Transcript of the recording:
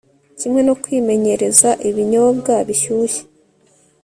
kimwe no kwimenyereza ibinyobwa bishyushye